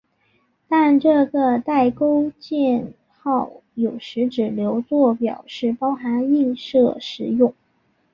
但这个带钩箭号有时只留作表示包含映射时用。